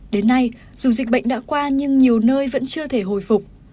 đến nay dù dịch bệnh đã qua nhưng nhiều nơi vẫn chưa thể hồi phục